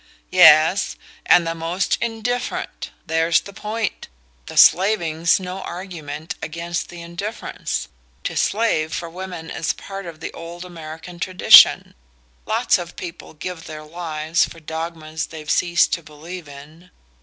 "Yes; and the most indifferent: there's the point. The 'slaving's' no argument against the indifference To slave for women is part of the old American tradition; lots of people give their lives for dogmas they've ceased to believe in.